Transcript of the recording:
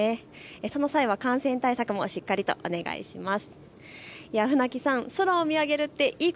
その際は感染対策もしっかりとお願いします。